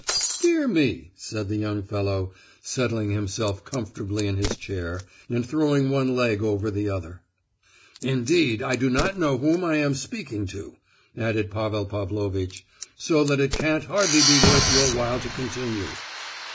"Dear me," said the young fellow, settling himself comfortably in his chair, and throwing one leg over the other. "Indeed, I do not know whom I am speaking to," added Pavel Pavlovitch, "so that it can't hardly be worth your while to continue."